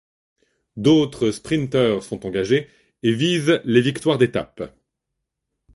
D'autres sprinteurs sont engagés et visent les victoires d'étape.